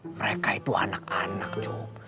mereka itu anak anak tuh